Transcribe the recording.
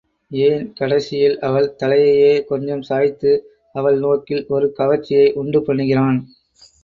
ஏன் கடைசியில் அவள் தலையையே கொஞ்சம் சாய்த்து அவள் நோக்கில் ஒரு கவர்ச்சியை உண்டு பண்ணுகிறான்.